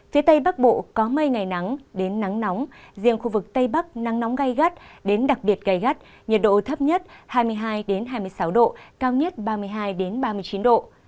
phía tây bắc bộ có mây ngày nắng đến nắng nóng riêng khu vực tây bắc nắng nóng gai gắt đến đặc biệt gây gắt nhiệt độ thấp nhất hai mươi hai hai mươi sáu độ cao nhất ba mươi hai ba mươi chín độ